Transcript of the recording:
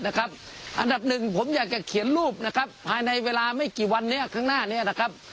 อันดับหนึ่งผมอยากจะเขียนรูปนะครับภายในเวลาไม่กี่วันนี้ข้างหน้านี้นะครับ